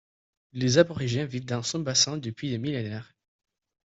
Les Aborigènes vivent dans son bassin depuis des millénaires.